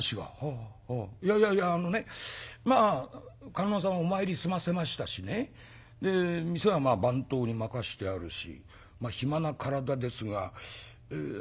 いやいやいやあのねまあ観音様お参り済ませましたしねで店は番頭に任してあるし暇な体ですがあの手間取るような？」。